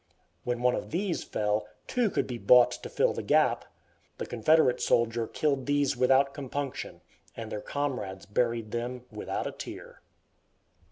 When one of these fell, two could be bought to fill the gap. The Confederate soldier killed these without compunction, and their comrades buried them without a tear.